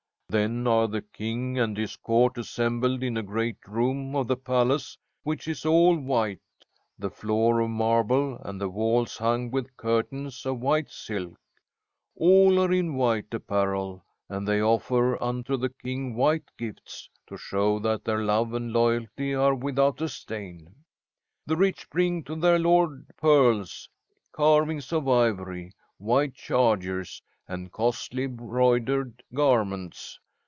Then are the king and his court assembled in a great room of the palace, which is all white, the floor of marble and the walls hung with curtains of white silk. All are in white apparel, and they offer unto the king white gifts, to show that their love and loyalty are without a stain. The rich bring to their lord pearls, carvings of ivory, white chargers, and costly broidered garments.